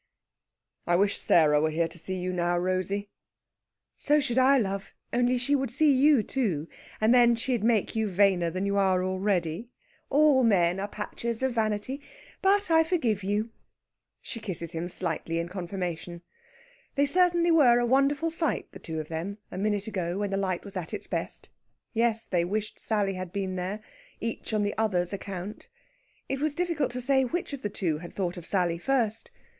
"I wish Sarah were here to see you now, Rosey." "So should I, love! Only she would see you too. And then she'd make you vainer than you are already. All men are patches of Vanity. But I forgive you." She kisses him slightly in confirmation. They certainly were a wonderful sight, the two of them, a minute ago, when the light was at its best. Yes! they wish Sally had been there, each on the other's account. It was difficult to say which of the two had thought of Sally first.